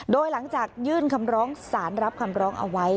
โดยหลังจากยื่นคำร้องสารรับคำร้องเอาไว้